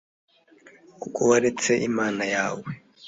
kuko waretse imana yawe